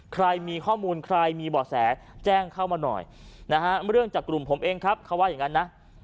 ใครมีข้อมูลใครมีบ่อแสแจ้งเข้ามาหน่อยนะฮะเรื่องจากกลุ่มผมเองครับเขาว่าอย่างนั้นนะ